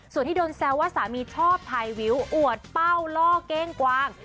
ส่วนที่โดนแซวว่าสามีชอบถ่ายวิวอวดเป้าล่อเก้งกวาง